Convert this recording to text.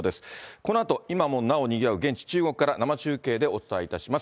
このあと、今もなおにぎわう現地、中国から、生中継でお伝えいたします。